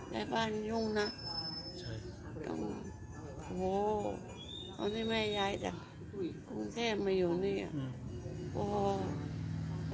แม่บ้านยุ่งนะโอ้โหตอนที่แม่ย้ายจากกรุงเทพมาอยู่นี่อ่ะ